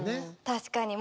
確かに。